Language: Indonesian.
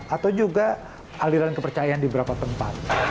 atau juga aliran kepercayaan di beberapa tempat